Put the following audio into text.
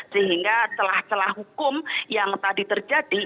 sehingga celah celah hukum yang tadi terjadi